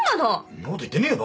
んなこと言ってねえよ